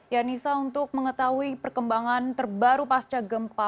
yanisa untuk mengetahui perkembangan terbaru pasca gempa